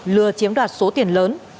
lừa chiếm đoạt số tiền lớn